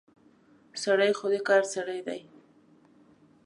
سړی خو د کار سړی دی.